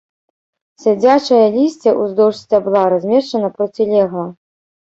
Сядзячае лісце ўздоўж сцябла размешчана процілегла.